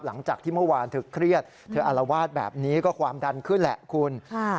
หลังจากที่เมื่อวานเธอเครียดเธออารวาสแบบนี้ก็ความดันขึ้นแหละคุณ